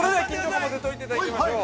◆解いていただきましょう。